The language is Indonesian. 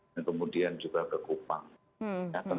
dan kemudian juga ke kupang